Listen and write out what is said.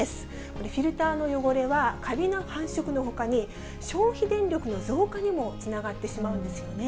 これ、フィルターの汚れはカビの繁殖のほかに、消費電力の増加にもつながってしまうんですよね。